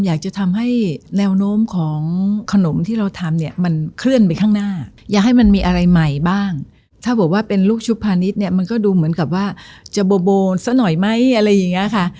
อยากให้มันเคลื่อนไปข้างหน้าอยากให้มันมีอะไรใหม่บ้างถ้าบอกว่าเป็นลูกชุบพาณิชย์เนี่ยมันก็ดูเหมือนกับว่าจะโบโบซะหน่อยไหมอะไรอย่างนี้ค่ะ